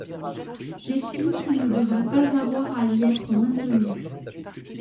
J’estime qu’ils ne devraient pas avoir à y être maintenus.